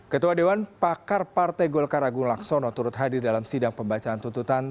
ketua dewan pakar partai golkar agung laksono turut hadir dalam sidang pembacaan tuntutan